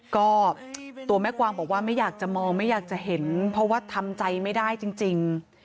ก็ตัวแม่กวางบอกว่าไม่อยากจะมองไม่อยากจะเห็นเพราะว่าทำใจไม่ได้จริง